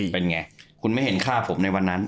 เป็นไงคุณไม่เห็นฆ่าผมในวันนั้น